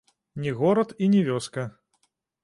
Не горад і не вёска.